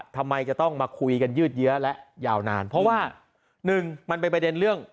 ทำไมจะต้องมาคุยกันยืดเยื้อและยาวนานเพราะว่าหนึ่งมันเป็นประเด็นเรื่อง